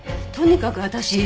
とにかく私。